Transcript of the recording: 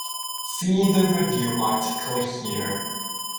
See the review article here.